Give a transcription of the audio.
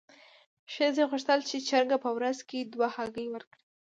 ښځې غوښتل چې چرګه په ورځ کې دوه هګۍ ورکړي.